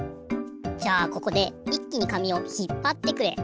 じゃあここでいっきに紙をひっぱってくれ。